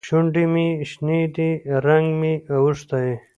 شونډې مې شنې دي؛ رنګ مې اوښتی.